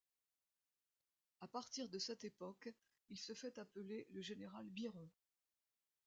À partir de cette époque, il se fait appeler le général Biron.